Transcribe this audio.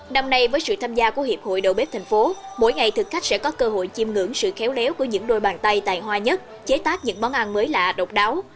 năm nay với sự tham gia của hiệp hội đầu bếp thành phố mỗi ngày thực khách sẽ có cơ hội chiêm ngưỡng sự khéo léo của những đôi bàn tay tài hoa nhất chế tác những món ăn mới lạ độc đáo